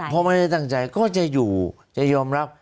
พอไม่ได้ตั้งใจก็จะอยู่จะยอมรับ